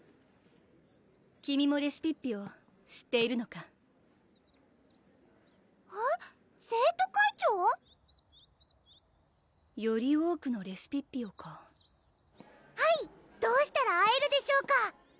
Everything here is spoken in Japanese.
君もレシピッピを知っているのかあっ生徒会長？より多くのレシピッピをかはいどうしたら会えるでしょうか？